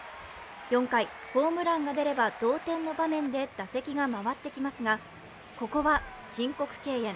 ４回、ホームランが出れば同点の場面で打席が回ってきますがここは申告敬遠。